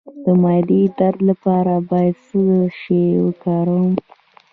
د معدې درد لپاره باید څه شی وکاروم؟